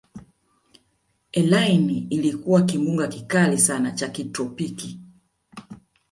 eline kilikuwa kimbunga kikali sana cha kitropiki